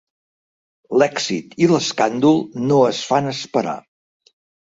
L'èxit i l'escàndol no es fan esperar.